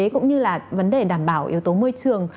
cũng như là vấn đề đảm bảo yếu tố môi trường